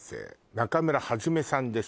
中村元さんです